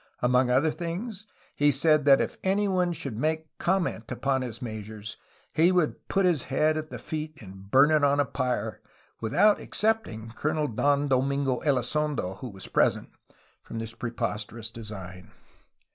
Among other things he said that if anyone should make comment upon his measures, he would put his head at his feet and burn it on a pyre, without excepting Colonel Don Do mingo Elizondo, who was present, from this preposterous design.